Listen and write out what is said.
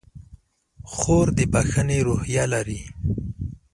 خور د بښنې روحیه لري.